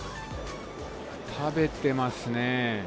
食べてますね。